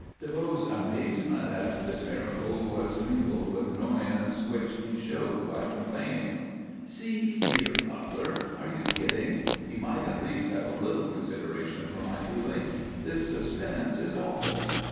DeVoe's amazement at this miracle was mingled with annoyance which he showed by complaining: "See here, Butler, are you kidding? You might at least have a little consideration for my feelings; this suspense is awful."